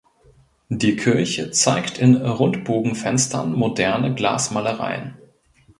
Die Kirche zeigt in Rundbogenfenstern moderne Glasmalereien.